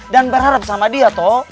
dan berharap sama dia toh